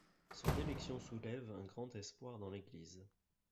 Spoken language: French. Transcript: Son élection soulève un grand espoir dans l'Église.